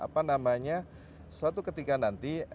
saya yakin suatu ketika nanti